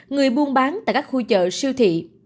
người buôn bán tại các khu chợ siêu thị